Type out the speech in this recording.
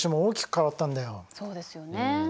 そうですよね。